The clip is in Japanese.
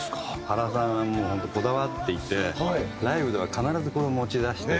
原さんはもう本当こだわっていてライブでは必ずこれを持ち出して。